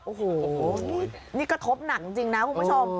โอ้โหนี่กระทบหนักจริงนะคุณผู้ชม